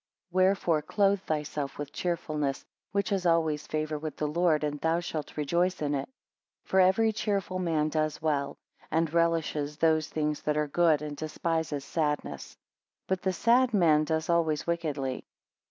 19 Wherefore clothe thyself with cheerfulness, which has always favour with the Lord, and thou shalt rejoice in it. For every cheerful man does well; and relishes those things that are good, and despises sadness. 20 But the sad man does always wickedly.